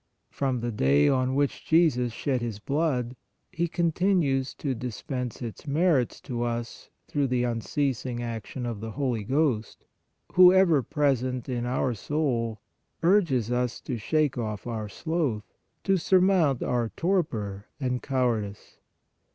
From the day on which Jesus shed His blood He continues to dis pense its merits to us through the unceasing action of the Holy Ghost, who, ever present in our soul, urges us to shake off our sloth, to surmount our torpor and cowardice.